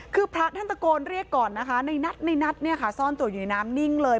คือพระท่านตะโกนเรียกก่อนนะคะในนัทเนี่ยค่ะซ่อนตัวอยู่ในน้ำนิ่งเลย